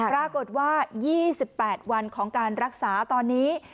บอกว่า๒๘วันของการรักษาตอนนี้